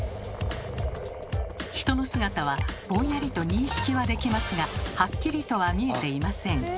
人の姿はぼんやりと認識はできますがはっきりとは見えていません。